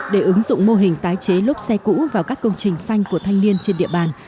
để ứng dụng mô hình tái chế lốp xe cũ vào các công trình xanh của thanh niên trên địa bàn